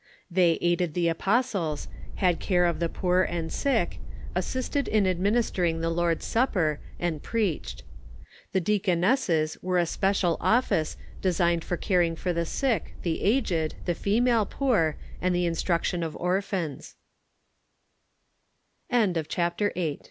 They aided the apostles, had care of the poor and sick, assisted in administering the Lord's Supper, and preached. The deacon esses Avere a special office, designed for caring for the sick, the aged, the female poor, and the ins